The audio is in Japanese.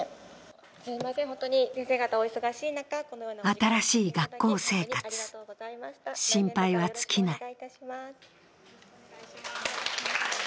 新しい学校生活、心配は尽きない。